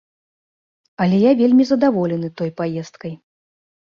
Але я вельмі задаволены той паездкай.